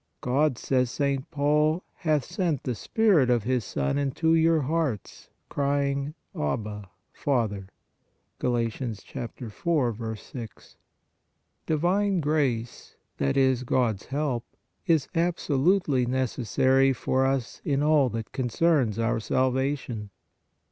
" God," says St. Paul, " hath sent the Spirit of His Son into your hearts, crying : Abba, Father "( Gal. 4. 6). Divine grace, that is, God s help, is abso lutely necessary for us in all that concerns our salva 14 PRAYER tion.